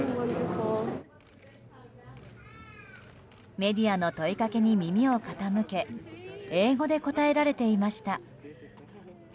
メディアの問いかけに耳を傾け英語で答えられていました。